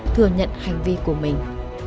thừa nhận hành vi của mình